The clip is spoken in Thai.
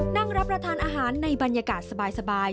นั่งรับประทานอาหารในบรรยากาศสบาย